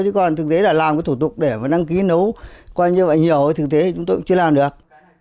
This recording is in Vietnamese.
chứ còn thực tế là làm cái thủ tục để mà đăng ký nấu coi như vậy nhiều thực tế chúng tôi cũng chưa làm được